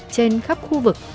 trên khắp khu vực